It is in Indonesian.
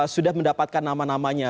sudah mendapatkan nama namanya